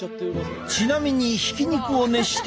ちなみにひき肉を熱してみると。